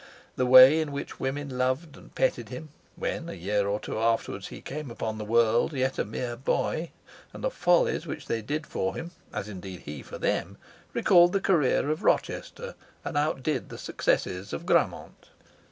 The way in which women loved and petted him, when, a year or two afterwards, he came upon the world, yet a mere boy, and the follies which they did for him (as indeed he for them), recalled the career of Rochester, and outdid the successes of Grammont.